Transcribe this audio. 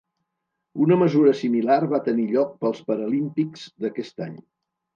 Una mesura similar va tenir lloc pels Paralímpics d'aquest any.